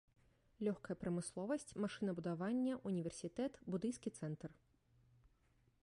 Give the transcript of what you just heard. Лёгкая прамысловасць, машынабудаванне, універсітэт, будыйскі цэнтр.